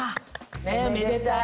めでたい。